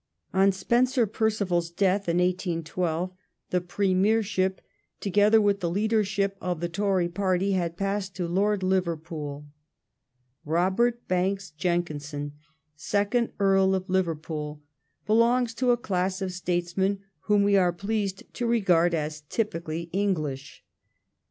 On Spencer Perceval's death in 1812 the Premiership, together Lord with the leadei ship of the Tory party, had passed to Lord Liver *^^'^P°° pool. Robert Banks Jenkinson, second Earl of Liverpool, belongs to a class of statesmen whom we are pleased to regard as typically English.